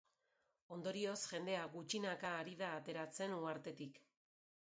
Ondorioz, jendea gutxinaka ari da ateratzen uhartetik.